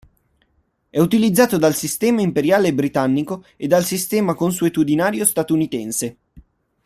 È utilizzato dal Sistema imperiale britannico e dal sistema consuetudinario statunitense.